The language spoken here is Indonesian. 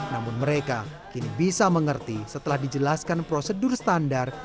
namun mereka kini bisa mengerti setelah dijelaskan prosedur standar yang harus ia jalani